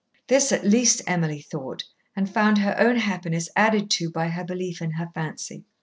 This, at least, Emily thought, and found her own happiness added to by her belief in her fancy.